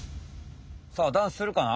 さあダンスするかな？